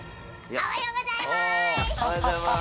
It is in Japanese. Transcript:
おはようございます！